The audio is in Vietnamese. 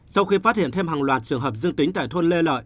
sau khi phát hiện thêm hàng loạt trường hợp dương tính tại thôn lê lợi